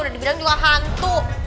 udah dibilang juga hantu